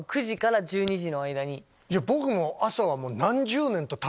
僕も朝は。